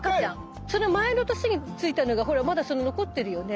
その前の年についたのがほらまだ残ってるよね